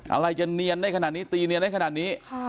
อะไรจะเนียนได้ขนาดนี้ตีเนียนได้ขนาดนี้